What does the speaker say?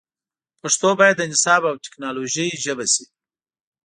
پښتو باید د نصاب او ټکنالوژۍ ژبه سي